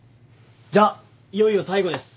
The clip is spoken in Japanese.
じゃあいよいよ最後です。